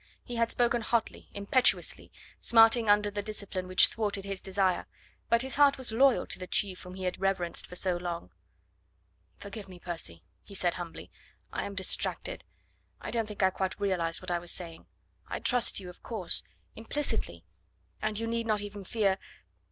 He had spoken hotly, impetuously, smarting under the discipline which thwarted his desire, but his heart was loyal to the chief whom he had reverenced for so long. "Forgive me, Percy," he said humbly; "I am distracted. I don't think I quite realised what I was saying. I trust you, of course ... implicitly... and you need not even fear...